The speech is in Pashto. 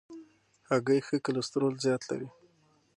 هګۍ ښه کلسترول زیات لري.